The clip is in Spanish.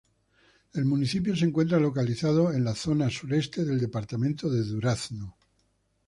El municipio se encuentra localizado en la zona sureste del departamento de Durazno.